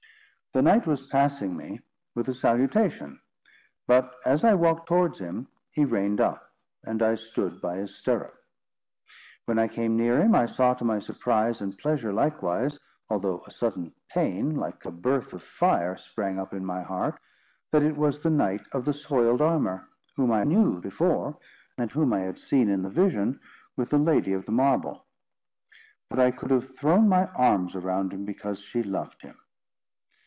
The knight was passing me with a salutation; but, as I walked towards him, he reined up, and I stood by his stirrup. When I came near him, I saw to my surprise and pleasure likewise, although a sudden pain, like a birth of fire, sprang up in my heart, that it was the knight of the soiled armour, whom I knew before, and whom I had seen in the vision, with the lady of the marble. But I could have thrown my arms around him, because she loved him.